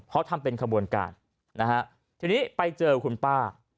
เพราะทำเป็นขบวนการนะฮะทีนี้ไปเจอคุณป้า